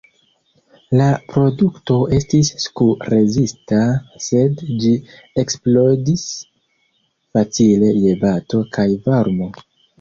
La produkto estis sku-rezista, sed ĝi eksplodis facile je bato kaj varmo.